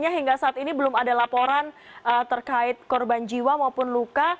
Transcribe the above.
hingga saat ini belum ada laporan terkait korban jiwa maupun luka